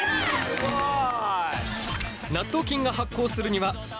すごい！